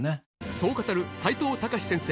そう語る齋藤孝先生